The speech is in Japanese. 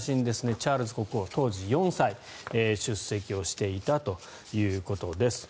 チャールズ国王、当時４歳出席をしていたということです。